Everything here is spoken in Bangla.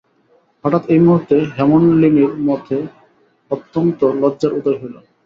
হঠাৎ এই মুহূর্তে হেমনলিনীর মতে অত্যন্ত লজ্জার উদয় হইল।